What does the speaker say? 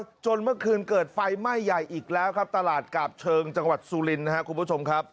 จนเมื่อคืนเกิดไฟไหม้ใหญ่อีกแล้วครับตลาดกาบเชิงจังหวัดสุรินนะครับคุณผู้ชมครับ